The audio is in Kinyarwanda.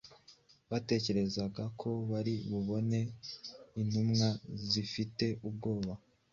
Batekerezaga ko bari bubone intumwa zifite ubwoba